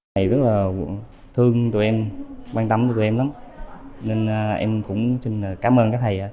thầy rất là thương tụi em quan tâm tụi em lắm nên em cũng cảm ơn các thầy